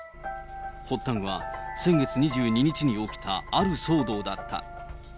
発端は先月２２日に起きたある騒動だった。